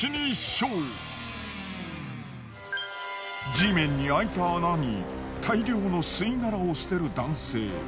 地面に空いた穴に大量の吸い殻を捨てる男性。